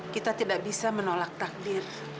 kita tidak bisa menolak takdir